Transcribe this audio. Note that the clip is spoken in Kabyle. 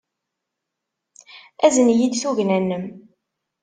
Azen-iyi-d tugna-nnem.